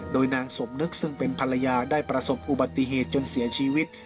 โดยนางสมนึกซึ่งเป็นภรรยาได้ประสบอุบัติเหตุจนเสียชีวิต